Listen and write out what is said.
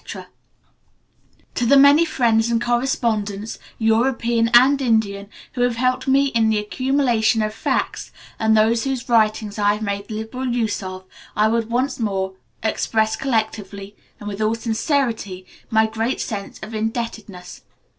To the many friends and correspondents, European and Indian, who have helped me in the accumulation of facts, and those whose writings I have made liberal use of, I would once more express collectively, and with all sincerity, my great sense of indebtedness.